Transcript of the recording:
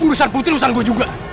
urusan putri urusan gue juga